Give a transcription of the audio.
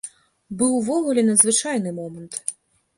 Быў увогуле надзвычайны момант.